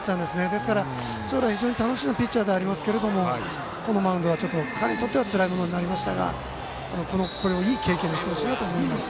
ですから、将来、非常に楽しみなピッチャーではありますけどこのマウンドは彼にとってはつらいものになりましたがこれをいい経験にしてほしいなと思います。